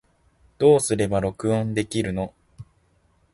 どうすれば録音できるの